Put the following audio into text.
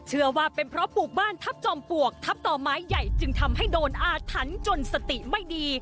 เชื่อว่าเป็นเพราะปลูกบ้านทัพจอมปลวกทับต่อไม้ใหญ่จึงทำให้โดนอาถรรพ์จนสติไม่ดี